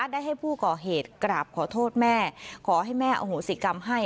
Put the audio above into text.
ได้ให้ผู้ก่อเหตุกราบขอโทษแม่ขอให้แม่อโหสิกรรมให้